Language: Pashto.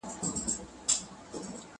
د زکام لپاره د زینک اغېز ثابت نه دی.